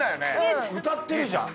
歌ってるじゃん。